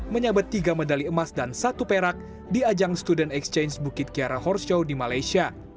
menyabet tiga medali emas dan satu perak di ajang student exchange bukit kiara horshow di malaysia